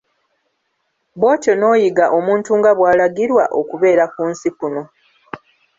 Bw'otyo n'oyiga omuntu nga bw'alagirwa okubeera ku nsi kuno.